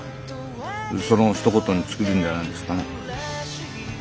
そのひと言に尽きるんじゃないですかね。